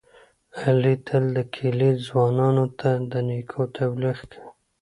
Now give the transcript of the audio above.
علي تل د کلي ځوانانو ته د نېکو تبلیغ کوي.